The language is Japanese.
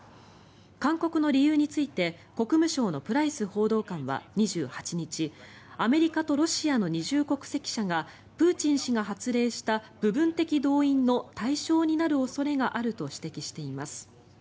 勧告の理由について国務省のプライス報道官は２８日アメリカとロシアの二重国籍者がプーチン氏が発令した部分的動員の対象になる恐れがあると指摘しています。